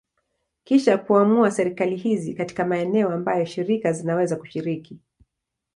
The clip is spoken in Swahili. Kisha kuamua serikali hizi katika maeneo ambayo shirika zinaweza kushiriki.